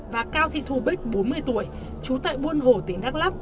và cao thị thu bích bốn mươi tuổi chú tại buôn hổ tỉnh đắk lạc